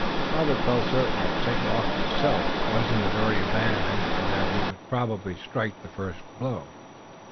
Robert felt certain that St. Luc himself was in the very van and that he would probably strike the first blow.